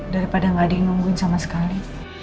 daripada nggak ada yang nungguin sama sekali